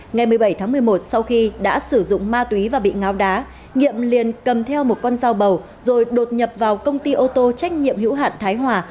ngày một mươi bảy tháng một mươi một sau khi đã sử dụng ma túy và bị ngáo đá nhiệm liền cầm theo một con dao bầu rồi đột nhập vào công ty ô tô trách nhiệm hữu hạn thái hòa